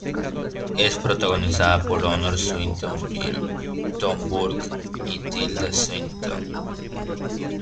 Es protagonizada por Honor Swinton Byrne, Tom Burke y Tilda Swinton.